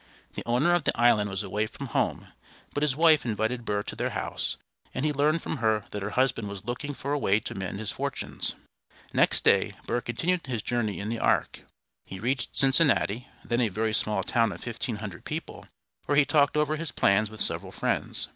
The owner of the island was away from home, but his wife invited Burr to their house, and he learned from her that her husband was looking for a way to mend his fortunes. Next day Burr continued his journey in the ark. He reached Cincinnati, then a very small town of fifteen hundred people, where he talked over his plans with several friends.